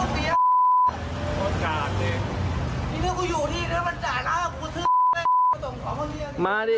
ไม่ไม่ใช่